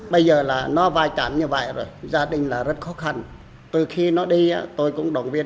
tại nhà của ông y thiên ria ở thị trấn ea poc huyện cư mở nga